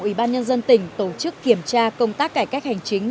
ubnd tỉnh tổ chức kiểm tra công tác cải cách hành chính